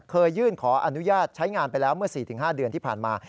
ยื่นขออนุญาตใช้งานไปแล้วเมื่อ๔๕เดือนที่ผ่านมา